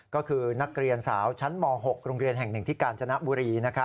ก็คือนักเรียนสาวชั้นม๖โรงเรียนแห่งหนึ่งที่กาญจนบุรี